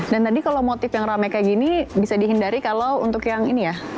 dan tadi kalau motif yang rame kayak gini bisa dihindari kalau untuk yang ini ya